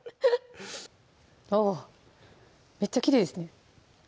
おっめっちゃきれいですね